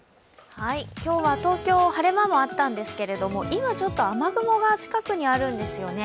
今日は東京、晴れ間もあったんですけど、今、ちょっと雨雲が近くにあるんですよね。